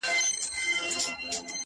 ستا آواز به زه تر عرشه رسومه،